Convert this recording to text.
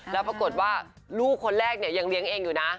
แล้วปรากฏว่าลูกคนแรกเนี่ยยังเลี้ยงเองอยู่นะ